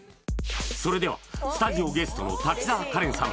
それではスタジオゲストの滝沢カレンさん